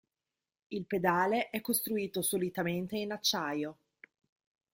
Il pedale è costruito solitamente in acciaio.